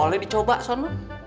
boleh dicoba son